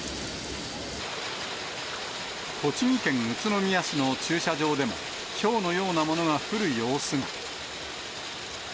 栃木県宇都宮市の駐車場でも、ひょうのようなものが降る様子が。